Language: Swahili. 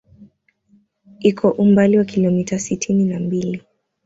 Iko umbali wa kilomita sitini na mbili